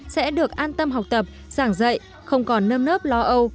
sẽ được an tâm học tập giảng dạy không còn nâm nớp lo âu